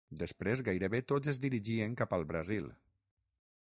Després, gairebé tots es dirigien cap al Brasil.